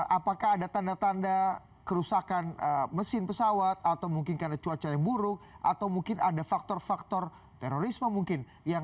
apakah ada tanda tanda kerusakan mesin pesawat atau mungkin karena cuaca yang buruk atau mungkin ada faktor faktor terorisme mungkin